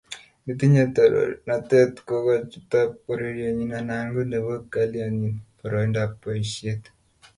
Netinyei torornatet kokoch chutab pororienyi anan ko nebo kalainyi boroindap boisiet